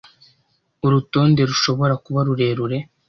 Urutonde rushobora kuba rurerure